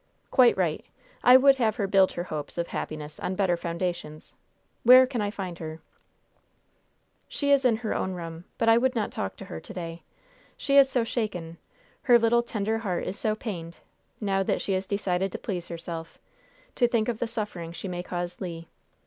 "Quite right. I would have her build her hopes of happiness on better foundations. Where can I find her?" "She is in her own room; but I would not talk to her to day. She is so shaken. Her little, tender heart is so pained now that she has decided to please herself to think of the suffering she may cause Le."